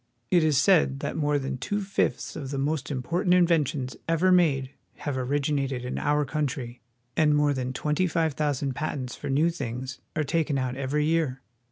It is said that more than two fifths of the most important inventions ever made have originated in our country, and more than twenty five thou sand patents for new things are taken out every year.